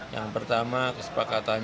yang pertama kesepakatan